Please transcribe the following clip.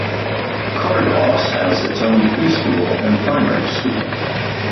Cardross has its own pre-school and primary school.